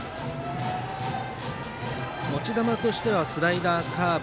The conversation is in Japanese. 持ち球としてはスライダー、カーブ